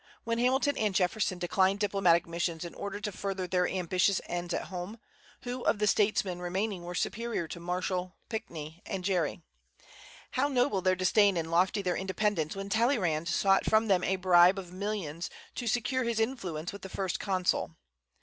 When Hamilton and Jefferson declined diplomatic missions in order to further their ambitious ends at home, who of the statesmen remaining were superior to Marshall, Pinckney, and Gerry? How noble their disdain and lofty their independence when Talleyrand sought from them a bribe of millions to secure his influence with the First Consul!